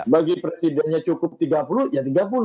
bagi presidennya cukup tiga puluh ya tiga puluh